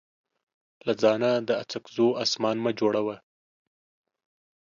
له ځانه د اڅکزو اسمان مه جوړوه.